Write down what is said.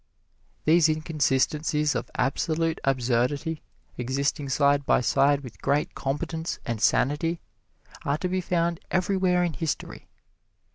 These inconsistencies of absolute absurdity, existing side by side with great competence and sanity, are to be found everywhere in history.